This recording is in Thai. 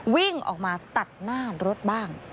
วิ่งออกมาตัดหน้ารถบ้าง